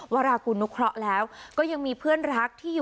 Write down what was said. วารากุลนุเคราะห์แล้วก็ยังมีเพื่อนรักที่อยู่